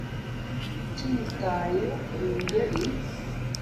kimutaye mu ngeri.